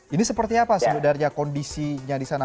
ini seperti apa sebenarnya kondisinya di sana